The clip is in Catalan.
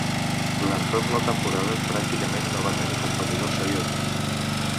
Durant tota la temporada pràcticament no va tenir competidors seriosos.